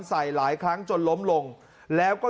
ใส่หลายครั้งจนล้มลงแล้วก็